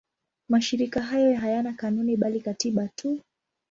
Mashirika hayo hayana kanuni bali katiba tu.